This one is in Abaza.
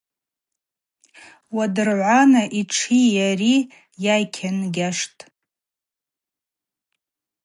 Уадыргӏвана йтши йари йайкьангьаштӏ.